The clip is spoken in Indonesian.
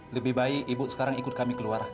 lebih baik ibu sekarang ikut kami keluar